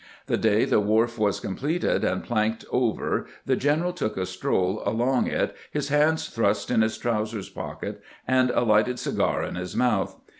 The day the wharf was com pleted and planked over the general took a stroU along it, his hands thrust in his trousers pockets, and a lighted cigar in his mouth.